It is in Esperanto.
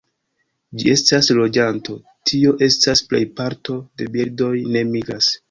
Ĝi estas loĝanto, tio estas plej parto de birdoj ne migras.